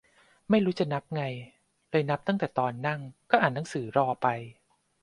ไม่รู้จะนับไง เลยนับตั้งแต่ตอนนั่ง ก็อ่านหนังสือรอไป